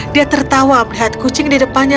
dia tertawa melihat kucing di depannya